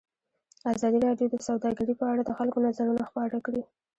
ازادي راډیو د سوداګري په اړه د خلکو نظرونه خپاره کړي.